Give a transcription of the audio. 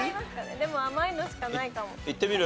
でも甘いのしかないかも。いってみる？